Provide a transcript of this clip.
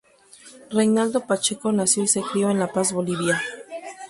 Reynaldo Pacheco nació y se crió en La Paz, Bolivia.